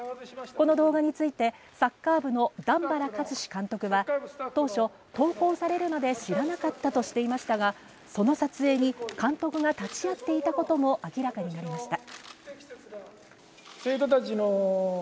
この動画についてサッカー部の段原一詞監督は当初、投稿されるまで知らなかったとしていましたがその撮影に監督が立ち会っていたことも、明らかになりました。